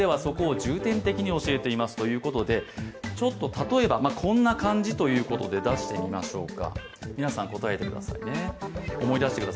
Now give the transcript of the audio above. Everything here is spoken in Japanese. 例えば、こんな感じということで出してみましょうか。